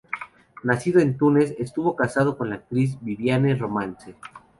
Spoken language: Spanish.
Nacido en Túnez, estuvo casado con la actriz Viviane Romance.